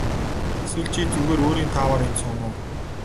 Эсвэл чи зүгээр өөрийн тааваар энд сууна уу.